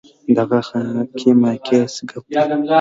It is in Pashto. دغه خاکې ماکې هسې ګپ دی.